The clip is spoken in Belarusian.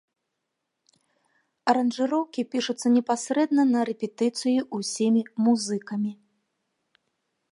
Аранжыроўкі пішуцца непасрэдна на рэпетыцыі ўсімі музыкамі.